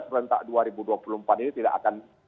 serentak dua ribu dua puluh empat ini tidak akan